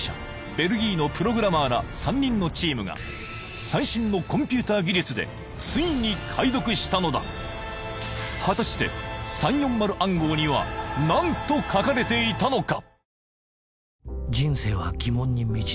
ベルギーのプログラマーら３人のチームが最新のコンピューター技術でついに解読したのだ果たして３４０暗号には何と書かれていたのか？